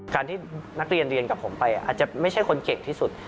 การที่นักเรียนเรียนกับผมไปอาจจะไม่ใช่คนเก่งที่สุด